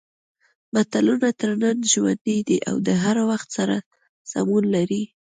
متلونه تر ننه ژوندي دي او د هر وخت سره سمون لري